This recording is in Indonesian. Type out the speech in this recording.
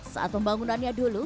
saat pembangunannya dulu